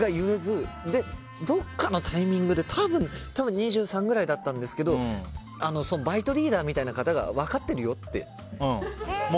どこかのタイミングで多分２３ぐらいだったんですけどバイトリーダーみたいな方が分かってるよって。